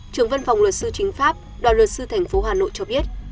trưởng văn phòng luật sư chính pháp đoàn luật sư thành phố hà nội cho biết